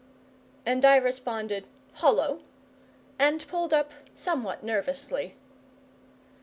and I responded, "Hullo!" and pulled up somewhat nervously.